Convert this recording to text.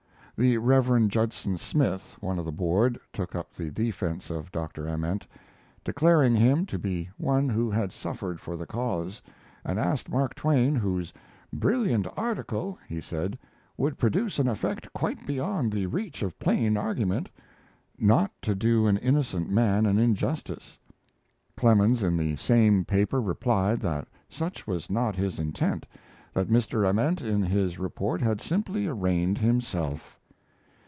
The Rev. Judson Smith, one of the board, took up the defense of Dr. Ament, declaring him to be one who had suffered for the cause, and asked Mark Twain, whose "brilliant article," he said, "would produce an effect quite beyond the reach of plain argument," not to do an innocent man an injustice. Clemens in the same paper replied that such was not his intent, that Mr. Ament in his report had simply arraigned himself.